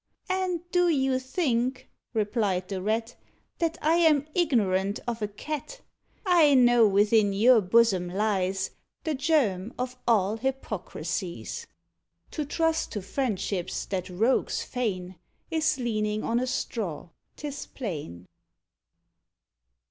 "And do you think," replied the Rat, "That I am ignorant of a Cat? I know within your bosom lies The germ of all hypocrisies." To trust to friendships that rogues feign Is leaning on a straw, 'tis plain.